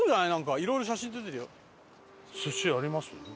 いろいろ写真出てるよ。